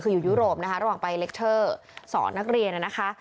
คืออยู่ยุโรปนะคะระหว่างไปเล็กเทอร์สอนนักเรียนนะคะ